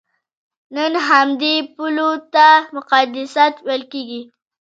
نن همدې پولو ته مقدسات ویل کېږي.